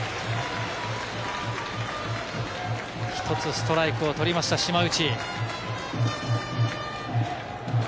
１つストライクを取りました、島内。